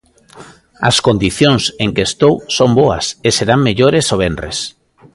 As condicións en que estou son boas e serán mellores o venres.